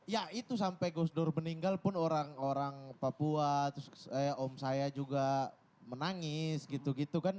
ya itu sampai gus dur meninggal pun orang orang papua terus om saya juga menangis gitu gitu kan